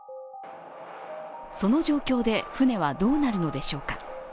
その状況で船はどうなるのでしょうか。